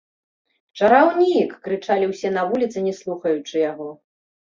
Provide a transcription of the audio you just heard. Чараўнік!—крычалі ўсе на вуліцы, не слухаючы яго.